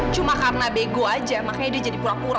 cuma karena bego aja makanya dia jadi pura pura